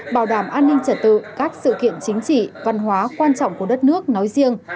bảo đảm an ninh trật tự các sự kiện chính trị văn hóa quan trọng của đất nước nói riêng